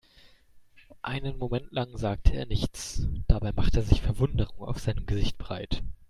Einen Moment lang sagte er nichts, dabei machte sich Verwunderung auf seinem Gesicht breit.